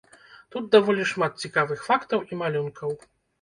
Тут даволі шмат цікавых фактаў і малюнкаў.